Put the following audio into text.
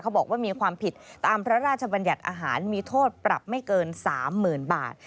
บอกว่ามีความผิดตามพระราชบัญญัติอาหารมีโทษปรับไม่เกิน๓๐๐๐บาท